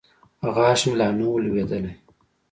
غاښ مې لا نه و لوېدلى.